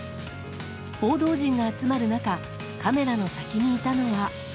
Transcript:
報道陣が集まる中カメラの先にいたのは。